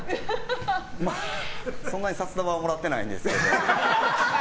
そんなに札束はもらってないんですけど。